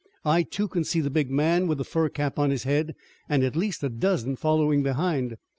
I, too, can see the big man with the fur cap on his head and at least a dozen following behind.